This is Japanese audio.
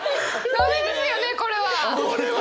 駄目ですよねこれは！